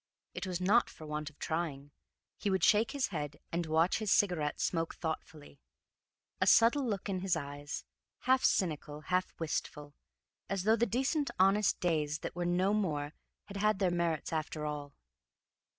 It was not for want of trying; he would shake his head, and watch his cigarette smoke thoughtfully; a subtle look in his eyes, half cynical, half wistful, as though the decent honest days that were no more had had their merits after all.